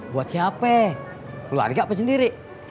buat siapa keluarga apa sendiri